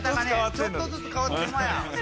ちょっとずつ変わってんだぜ。